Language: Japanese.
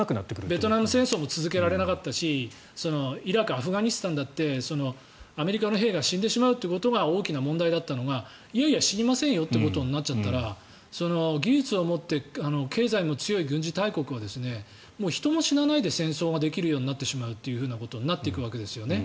ベトナム戦争も続けられなかったしイラク、アフガニスタンだってアメリカの兵が死んでしまうということが大きな問題だったのがいやいや、死にませんよってなっちゃったら技術を持って経済も強い軍事大国は人も死なないで戦争ができるようになってしまうということになっていくわけですよね。